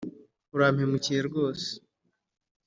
“ Urampemukiye rwose”